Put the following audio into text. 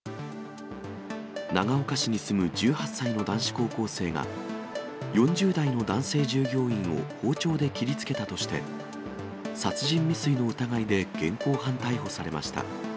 長岡市に住む１８歳の男子高校生が、４０代の男性従業員を包丁で切りつけたとして、殺人未遂の疑いで現行犯逮捕されました。